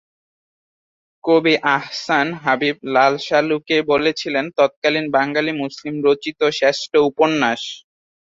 কবি আহসান হাবীব "লালসালু"কে বলেছিলেন তৎকালীন "বাঙালি মুসলিম রচিত শ্রেষ্ঠ উপন্যাস"।